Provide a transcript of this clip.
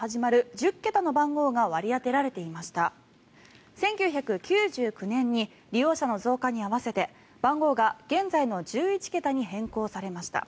１９９９年に利用者の増加に合わせて番号が現在の１１桁に変更されました。